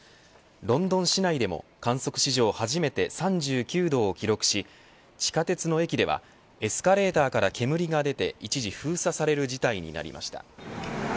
ロンドン市内でも観測史上初めて３９度を記録し地下鉄の駅ではエスカレーターから煙が出て一時封鎖される事態になりました。